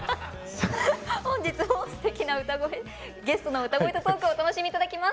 本日もすてきなゲストの歌声とトークをお楽しみ頂きます。